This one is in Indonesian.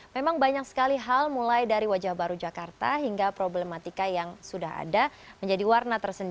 memang banyak sekali hal mulai dari wajah baru jakarta hingga problematika yang berlaku di jakarta